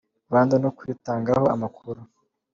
Rwanda no kuyitangaho amakuru.